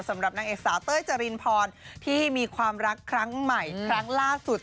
สำหรับนางเอกสาวเต้ยจรินพรที่มีความรักครั้งใหม่ครั้งล่าสุด